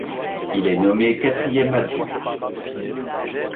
Il est nommé quatrième adjoint.